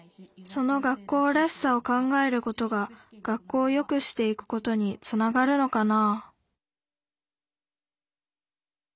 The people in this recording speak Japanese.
その学校らしさを考えることが学校をよくしていくことにつながるのかな？